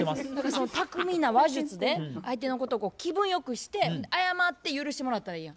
その巧みな話術で相手のことをこう気分良くして謝って許してもらったらええやん。